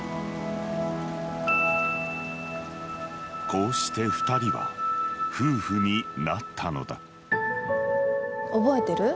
こうして２人は夫婦になったのだ覚えてる？